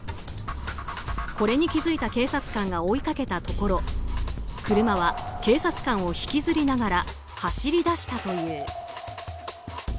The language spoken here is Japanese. これに気付いた警察官が追いかけたところ車は警察官を引きずりながら走り出したという。